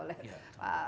oleh pak presiden